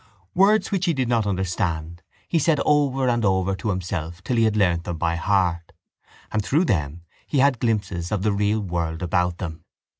Words which he did not understand he said over and over to himself till he had learnt them by heart: and through them he had glimpses of the real world about them.